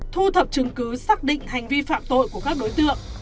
thu thập chứng cứ xác định hành vi phạm tội của các đối tượng